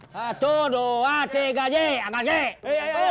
satu dua tiga jack angkat jack